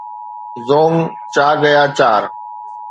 زونگ چا گيا چار